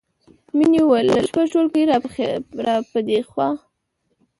مینې وویل له شپږم ټولګي راپدېخوا